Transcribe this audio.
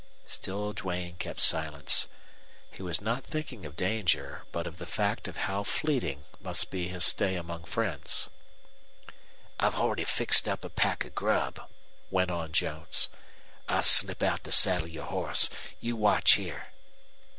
Still Duane kept silence. He was not thinking of danger, but of the fact of how fleeting must be his stay among friends. "I've already fixed up a pack of grub," went on Jones. "I'll slip out to saddle your horse. You watch here."